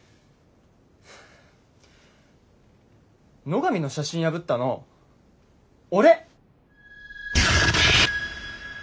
野上の写真破ったの俺。